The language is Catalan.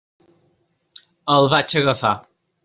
El vaig agafar.